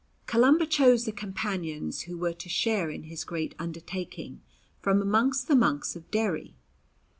Columba chose the companions who were to share in his great undertaking from amongst the monks of Derry.